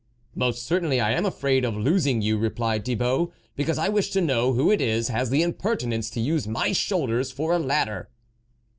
" Most certainly I am afraid of losing you," replied Thibault, " because I wish to know who it is has the impertinence to use my shoulders for a ladder."